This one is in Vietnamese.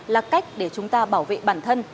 là cách để chúng ta bảo vệ bản thân